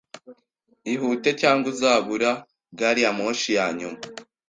Ihute, cyangwa uzabura gari ya moshi ya nyuma.